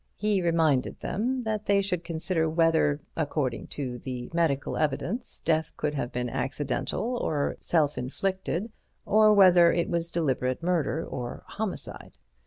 He reminded them that they should consider whether, according to the medical evidence, death could have been accidental or self inflicted or whether it was deliberate murder, or homicide.